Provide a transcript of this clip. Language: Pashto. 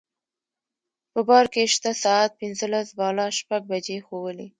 په بار کې شته ساعت پنځلس بالا شپږ بجې ښوولې.